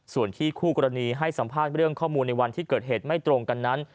ส่วนที่คู่กรณีให้สัมภาษณ์เรื่องข้อมูลในวันที่เกิดเหตุไม่ตรงกันนั้น